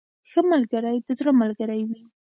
• ښه ملګری د زړه ملګری وي.